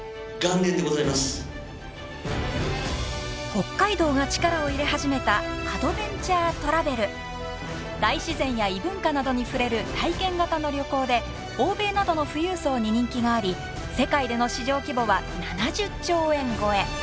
北海道が力を入れ始めた大自然や異文化などに触れる体験型の旅行で欧米などの富裕層に人気があり世界での市場規模は７０兆円超え。